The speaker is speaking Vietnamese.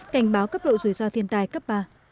cảnh báo cấp độ rủi ro thiên tai cấp ba